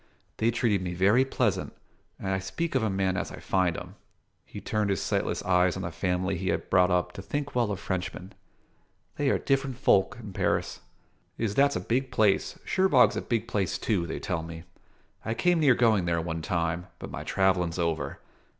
They treated me very pleasant, and I speak of a man as I find en." He turned his sightless eyes on the family he had brought up to think well of Frenchmen. "They are different folk in Paris." "Iss, that's a big place. Cherbourg's a big place, too, they tell me. I came near going there, one time; but my travellin's over.